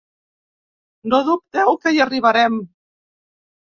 No dubteu que hi arribarem.